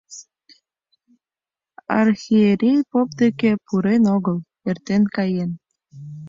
Архиерей поп деке пурен огыл, эртен каен.